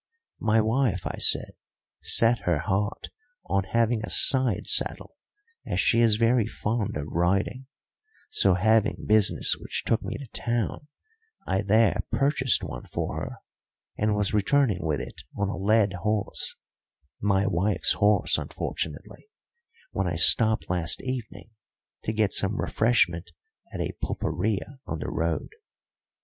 "My wife," I said, "set her heart on having a side saddle, as she is very fond of riding; so, having business which took me to town, I there purchased one for her, and was returning with it on a led horse my wife's horse, unfortunately when I stopped last evening to get some refreshment at a pulperia on the road.